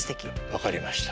分かりました。